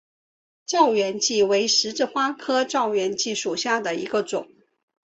燥原荠为十字花科燥原荠属下的一个种。